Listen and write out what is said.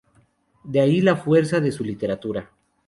De ahí la fuerza de su literatura.